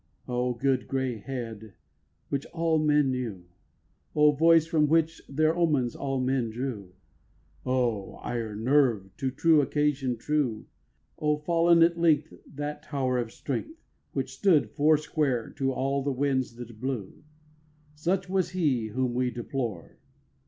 O good gray head which all men knew, O voice from which their omens all men drew, O iron nerve to true occasion true, O fall'n at length that tower of strength Which stood four square to all the winds that blew! Such was he whom we deplore.